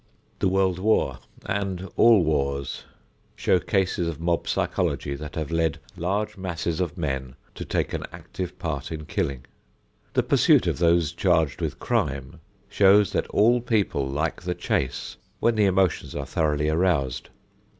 The world war, and all wars, show cases of mob psychology that have led large masses of men to take an active part in killing. The pursuit of those charged with crime shows that all people like the chase when the emotions are thoroughly aroused.